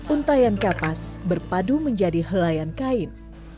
untayan kapas berpadu menjadi helayan kain